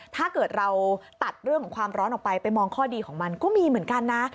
ถ้าเกิดเราตัดเรื่องของความร้อนออกไปไปมองข้อดีของมันก็มีเหมือนกันนะ